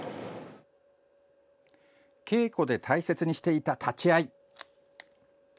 稽古で大切にしていた立ち合い。